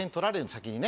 先にね